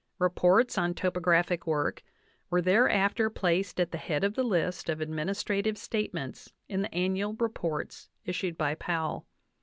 (Reports on topographic work were thereafter placed at the head of the list of administrative statements in the annual reports issued by Powell.